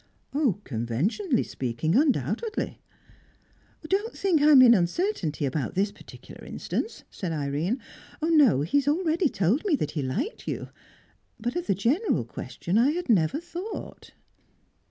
"Conventionally speaking, undoubtedly." "Don't think I am in uncertainty about this particular instance," said Irene. "No, he has already told me that he liked you. But of the general question, I had never thought."